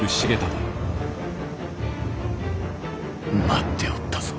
待っておったぞ。